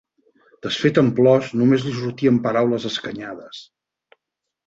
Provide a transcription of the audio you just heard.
Desfeta en plors, només li sortien paraules escanyades.